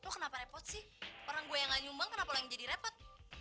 kenapa repot sih orang gue enggak nyumbang kenapa lo jadi repot